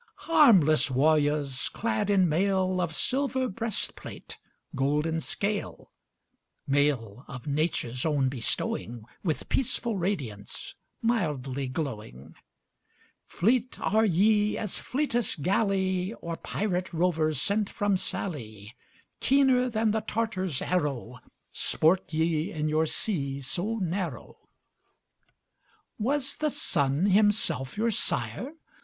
Harmless warriors, clad in mail Of silver breastplate, golden scale; Mail of Nature's own bestowing, With peaceful radiance, mildly glowing Fleet are ye as fleetest galley Or pirate rover sent from Sallee; Keener than the Tartar's arrow, Sport ye in your sea so narrow. Was the sun himself your sire?